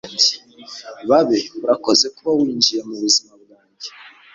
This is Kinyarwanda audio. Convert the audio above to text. Babe, urakoze kuba winjiye mubuzima bwanjye.